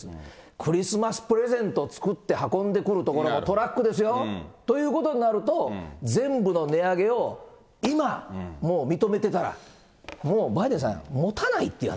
クリスマスプレゼントを作って運んでくるところもトラックですよ。ということになると、全部の値上げを今もう認めてたら、もうバイデンさん、もたないって話。